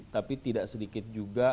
tapi tidak sedikit juga